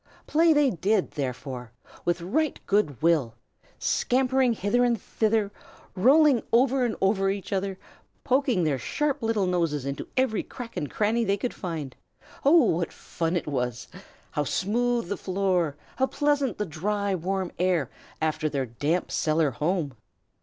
Play they did, therefore, with right good will; scampering hither and thither, rolling over and over each other, poking their little sharp noses into every crack and cranny they could find. Oh, what fun it was! How smooth the floor! how pleasant the dry, warm air, after their damp cellar home!